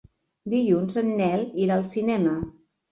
Dilluns en Nel irà al cinema.